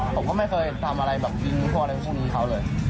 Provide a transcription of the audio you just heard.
ผมก็ไม่เคยทำอะไรแบบยิงพวกเขาเลย